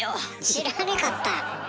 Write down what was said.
知らねかった。